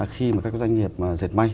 khi mà các doanh nghiệp diệt may